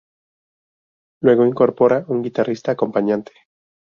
Luego incorporaron un guitarrista acompañante.